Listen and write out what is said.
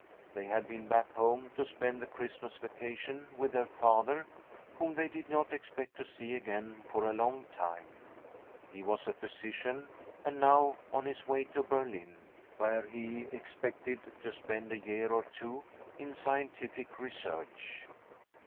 They had been back home to spend the Christmas vacation with their father, whom they did not expect to see again for a long time. He was a physician, and now on his way to Berlin, where he expected to spend a year or two in scientific research.